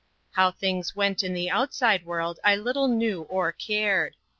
How things went in the outside world I little knew or cared.